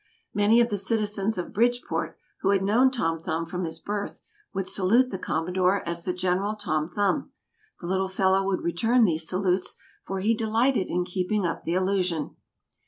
Many of the citizens of Bridgeport, who had known Tom Thumb from his birth, would salute the Commodore as the General Tom Thumb. The little fellow would return these salutes, for he delighted in keeping up the illusion.